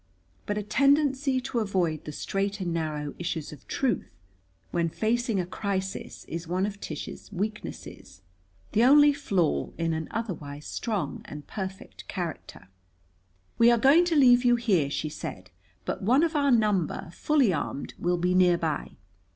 But a tendency to avoid the straight and narrow issues of truth when facing a crisis is one of Tish's weaknesses, the only flaw in an otherwise strong and perfect character. "We are going to leave you here," she said. "But one of our number, fully armed, will be near by.